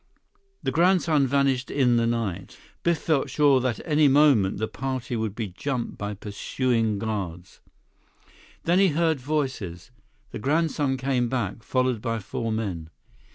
The grandson vanished in the night. Biff felt sure that any moment the party would be jumped by pursuing guards. Then he heard voices. The grandson came back, followed by four men.